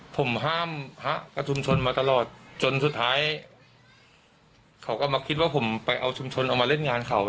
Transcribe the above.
ผมห้ามพระกับชุมชนมาตลอดจนสุดท้ายเขาก็มาคิดว่าผมไปเอาชุมชนเอามาเล่นงานเขา